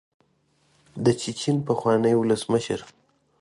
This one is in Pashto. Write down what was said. د چیچن پخواني ولسمشر.